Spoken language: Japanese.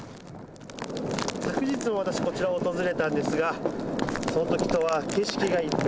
昨日も私、こちらを訪れたんですが、そのときとは景色が一変。